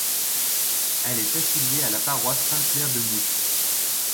Elle est affiliée à la paroisse Sainte-Claire de Mouy.